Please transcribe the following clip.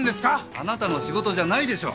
あなたの仕事じゃないでしょう！